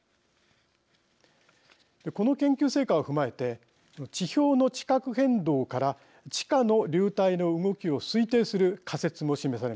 この研究成果を踏まえて地表の地殻変動から地下の流体の動きを推定する仮説も示されました。